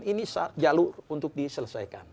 ini jalur untuk diselesaikan